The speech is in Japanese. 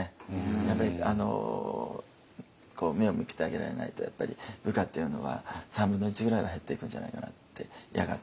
やっぱり目を向けてあげられないと部下っていうのは３分の１ぐらいは減っていくんじゃないかなってやがて。